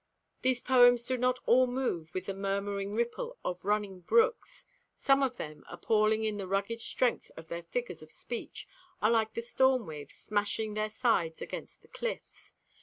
These poems do not all move with the murmuring ripple of running brooks. Some of them, appalling in the rugged strength of their figures of speech, are like the storm waves smashing their sides against the cliffs.